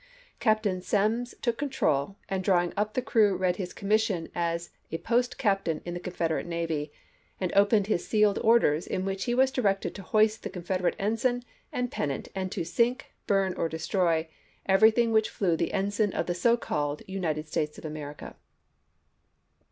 Captain Semmes took command, and drawing up the crew read his commission as a post captain in the Con federate navy, and opened his sealed orders in which he was directed to hoist the Confederate ensign and pennant and " to sink, burn, or destroy everything which flew the ensign of the so called United States of America."